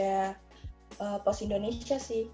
pertama kalau kantor pos indonesia sih